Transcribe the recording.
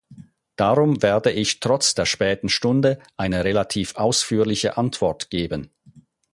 Darum werde ich trotz der späten Stunde eine relativ ausführliche Antwort geben.